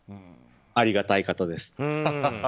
ありがたい方です。